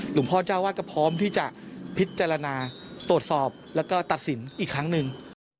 เจ้าวาดก็พร้อมที่จะพิจารณาตรวจสอบแล้วก็ตัดสินอีกครั้งหนึ่ง